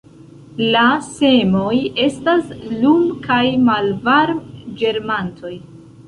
La semoj estas lum- kaj malvarm-ĝermantoj.